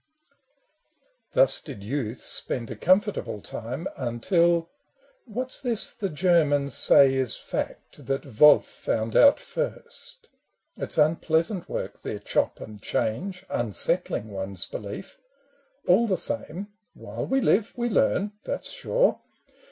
Thus did youth spend a comfortable time ; Until — "What 's this the (Germans say is fact That Wolf found out first? It 's unpleasant work Their chop and change, unsettling one's belief: All the same, while we live, we learn, that 's sure."